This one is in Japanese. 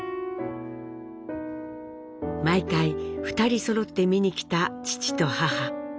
毎回２人そろって見に来た父と母。